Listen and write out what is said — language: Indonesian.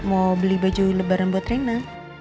mau beli baju lebaran buat rena